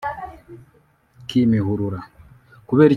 Kimihurura